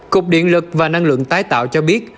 cục điện lực và năng lượng tái tạo cho biết